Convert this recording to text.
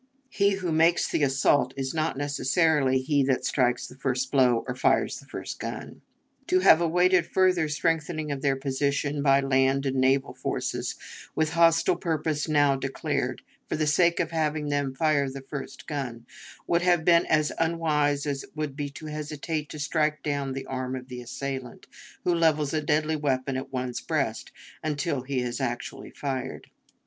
He who makes the assault is not necessarily he that strikes the first blow or fires the first gun. To have awaited further strengthening of their position by land and naval forces, with hostile purpose now declared, for the sake of having them "fire the first gun," would have been as unwise as it would be to hesitate to strike down the arm of the assailant, who levels a deadly weapon at one's breast, until he has actually fired.